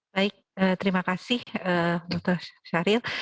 baik terima kasih dokter syahril